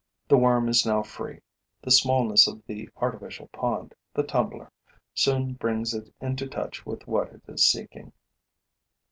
The worm is now free. The smallness of the artificial pond, the tumbler, soon brings it into touch with what it is seeking.